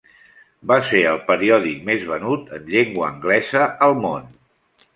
Va ser el periòdic més venut en llengua anglesa al món.